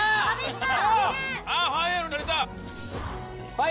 はい。